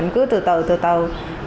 cứ từ từ từ từ